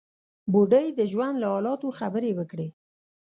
بوډۍ د ژوند له حالاتو خبرې وکړې.